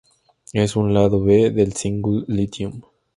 Es un lado B del single Lithium.